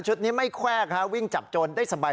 นี้ไม่แควกวิ่งจับโจรได้สบาย